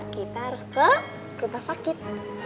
kita harus ke rumah sakit